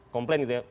komplain gitu ya